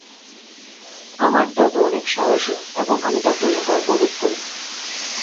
আমার দাদু অনেক সাহসী এবং আমি তার জন্য গর্ববোধ করি।